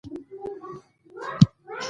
خو نوموړی وايي